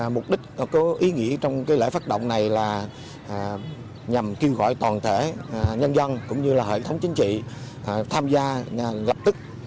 mục đích có ý nghĩa trong lễ phát động này là nhằm kêu gọi toàn thể nhân dân cũng như là hệ thống chính trị tham gia lập tức